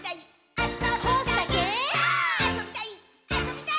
あそびたい！」